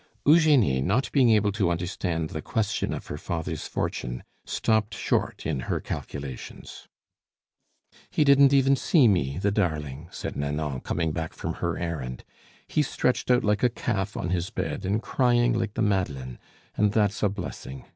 Eugenie, not being able to understand the question of her father's fortune, stopped short in her calculations. "He didn't even see me, the darling!" said Nanon, coming back from her errand. "He's stretched out like a calf on his bed and crying like the Madeleine, and that's a blessing!